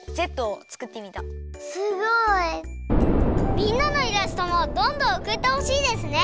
みんなのイラストもどんどんおくってほしいですね！